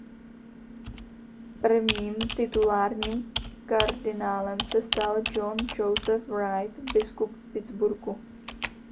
Prvním titulárním kardinálem se stal John Joseph Wright biskup Pittsburghu.